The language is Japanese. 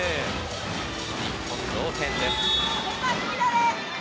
日本、同点です。